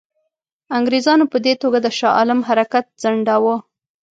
انګرېزانو په دې توګه د شاه عالم حرکت ځنډاوه.